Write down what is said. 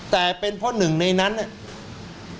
แต่เป็นเพราะหนึ่งในนั้นเนี่ย